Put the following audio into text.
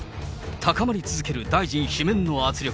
高まり続ける大臣罷免の圧力。